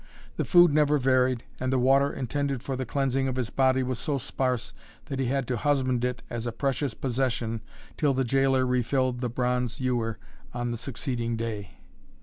The food never varied, and the water intended for the cleansing of his body was so sparse that he had to husband it as a precious possession till the gaoler refilled the bronze ewer on the succeeding day.